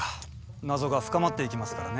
謎が深まっていきますからね。